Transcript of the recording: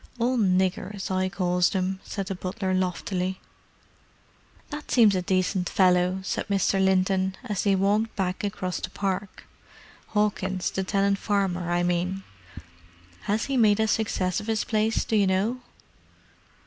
"All niggers, I calls them," said the butler loftily. "That seems a decent fellow," said Mr. Linton, as they walked back across the park. "Hawkins, the tenant farmer, I mean. Has he made a success of his place, do you know?"